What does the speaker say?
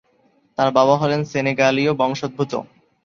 তার বাবা হলেন সেনেগালীয় বংশোদ্ভূত।